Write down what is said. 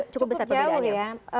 cukup besar perbedaannya